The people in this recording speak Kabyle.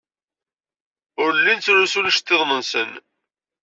Ur llin ttlusun iceḍḍiḍen-nsen.